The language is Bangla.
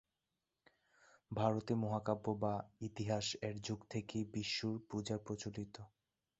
ভারতে মহাকাব্য বা "ইতিহাস"-এর যুগ থেকেই বিষ্ণুর পূজা প্রচলিত।